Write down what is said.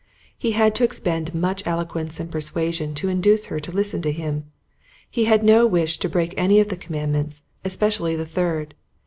He had to expend much eloquence and persuasion to induce her to listen to him. He had no wish to break any of the Commandments, especially the Third.